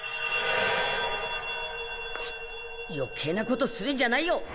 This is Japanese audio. チッよけいなことするんじゃないよ。